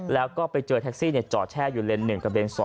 แล้วก็ไปเจอแท็กซี่จอดแช่อยู่เลนส์๑กับเลน๒